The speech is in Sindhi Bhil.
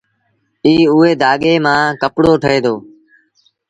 ائيٚݩ اُئي ڌآڳي مآݩ ڪپڙو ٺهي دو